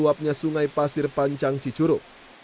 dibuat oleh meluapnya sungai pasir pancang cicuruk